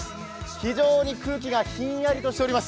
非常に空気がひんやりとしております。